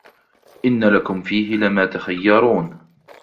إن لكم فيه لما تخيرون